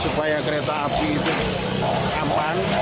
supaya kereta api itu aman